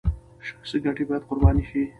شخصي ګټې باید قربان شي.